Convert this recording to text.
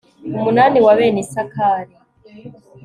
umunani wa bene isakari